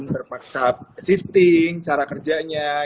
terpaksa shifting cara kerjanya